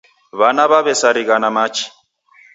W'ana w'aw'esarigha na machi.